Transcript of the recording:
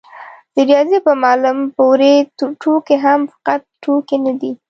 د رياضي په معلم پورې ټوکې هم فقط ټوکې نه دي.